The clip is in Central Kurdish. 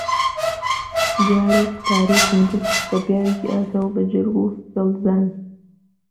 جارێک تاریفم کرد کە پیاوێکی ئازا و بە جەرگ و فێڵزانی